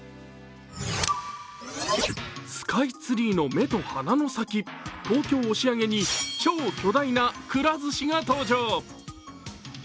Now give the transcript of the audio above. スカイツリーの目と鼻の先、東京・押上に超巨大なくら寿司が登場。